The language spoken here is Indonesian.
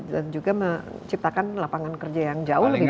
dan juga menciptakan lapangan kerja yang jauh lebih banyak